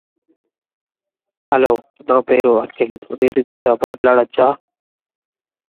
Davis repeatedly refuses to reveal what sport he is competing in.